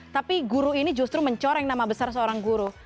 tapi guru ini justru mencoreng nama besar seorang guru